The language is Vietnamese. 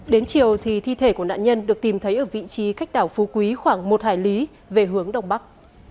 đến chiều thì thi thể của nạn nhân được tìm thấy ở vị trí cách đảo phú quý khoảng một hải lý về hướng đông bắc